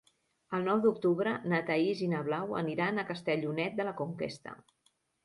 El nou d'octubre na Thaís i na Blau aniran a Castellonet de la Conquesta.